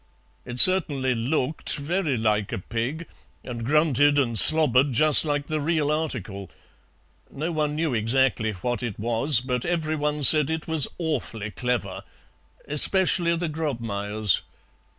It certainly LOOKED very like a pig, and grunted and slobbered just like the real article; no one knew exactly what it was, but every one said it was awfully clever, especially the Grobmayers.